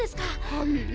はい。